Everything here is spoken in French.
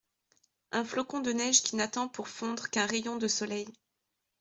Un flocon de neige qui n'attend pour fondre qu'un rayon de soleil.